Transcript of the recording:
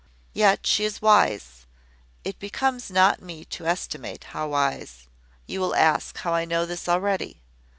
Yet she is wise; it becomes not me to estimate how wise. You will ask how I know this already.